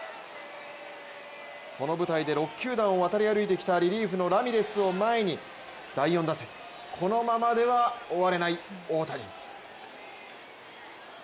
その舞台で６球団を渡り歩いてきたリリーフのラミレスを前に第４打席、このままでは終われない大谷。